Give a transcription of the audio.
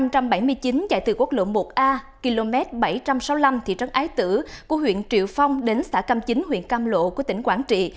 trên tuyến tỉnh lộ năm trăm bảy mươi chạy từ quốc lộ một a km bảy trăm sáu mươi năm thị trấn ái tử của huyện triệu phong đến xã cam chính huyện cam lộ của tỉnh quảng trị